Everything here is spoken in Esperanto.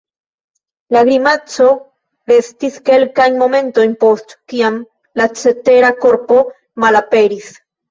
La grimaco restis kelkajn momentojn post kiam la cetera korpo malaperis.